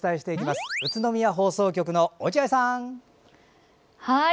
宇都宮放送局の落合さん。